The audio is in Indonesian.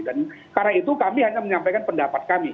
dan karena itu kami hanya menyampaikan pendapat kami